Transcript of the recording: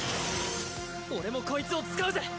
俺もこいつを使うぜ！